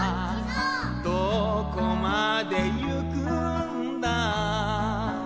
「どこまでゆくんだ」